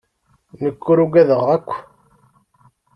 Nekk ur ugadeɣ akk.